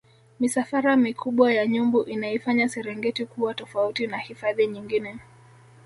misafara mikubwa ya nyumbu inaifanya serengeti kuwa tofauti na hifadhi nyingine